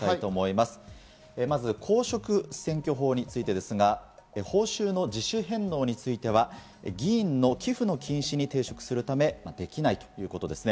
まず公職選挙法についてですが、報酬の自主返納については議院の寄付の禁止に抵触するためできないということですね。